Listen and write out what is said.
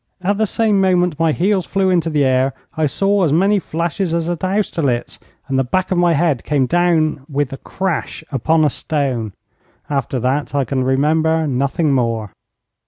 At the same moment my heels flew into the air, I saw as many flashes as at Austerlitz, and the back of my head came down with a crash upon a stone. After that I can remember nothing more.